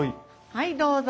はいどうぞ。